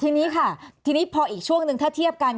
ทีนี้ค่ะทีนี้พออีกช่วงหนึ่งถ้าเทียบกัน